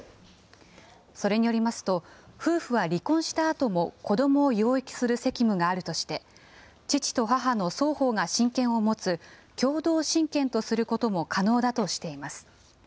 それによりますと、夫婦は離婚したあとも子どもを養育する責務があるとして、父と母の双方が親権を持つ、共同親権とすることも可能だとしています。